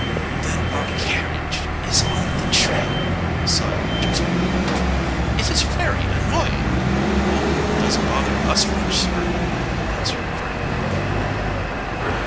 "Then our carriage is on the trail," sighed Josiah Crabtree. "It is very annoying." "Oh, it doesn't bother us much, sir," answered Frank coolly.